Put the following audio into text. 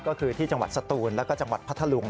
ก็คือที่จังหวัดสตูนแล้วก็จังหวัดพัทธลุง